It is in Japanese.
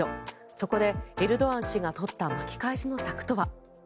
そこでエルドアン氏が取った巻き返しの策とは。